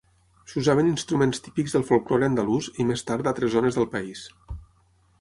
S'usaven instruments típics del folklore andalús i més tard d'altres zones del país.